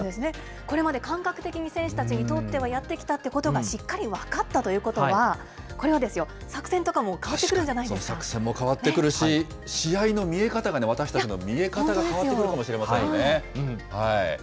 これまで感覚的に選手たちにとってやってきたということがしっかり分かったということは、これは作戦とかも変わってくるんじゃな作戦も変わってくるし、試合の見え方が、わたしたちの見え方が変わってくるかもしれませんよね。